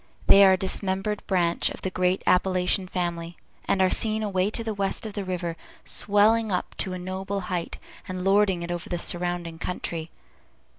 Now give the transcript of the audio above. They are a dismembered branch of the great Appalachian family, and are seen away to the west of the river, swelling up to a noble height, and lording it over the surrounding country.